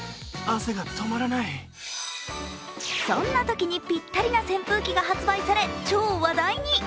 そんなときにぴったりの扇風機が発売され、超話題に。